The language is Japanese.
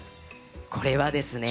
これはですね。